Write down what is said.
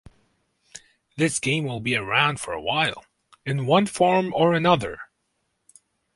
This game will be around for a while, in one form or another.